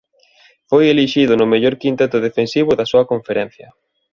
Foi elixido no mellor quinteto defensivo da súa conferencia.